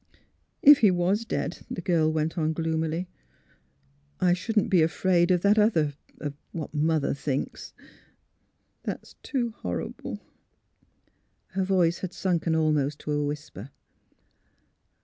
*' If he was dead," the girl went on, gloomily, I shouldn't be afraid of that other — of what Mother thinks. That is too horrible! " Her voice had sunken almost to a whisper.